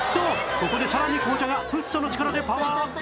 ここでさらに紅茶がフッ素の力でパワーアップ！